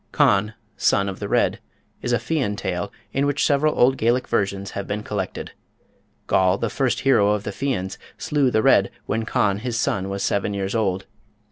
Conn, Son of the Red is a Fian tale of which several old Gaelic versions have been collected. Goll, the "first hero" of the Fians, slew the Red when Conn, his son, was seven years old.